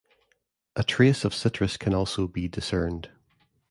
A trace of citrus can also be discerned.